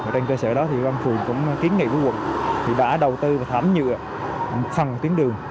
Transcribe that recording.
trên cơ sở đó thì ubf cũng kiến nghị với quận thì đã đầu tư và thảm nhựa một phần tuyến đường